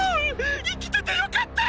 生きててよかった！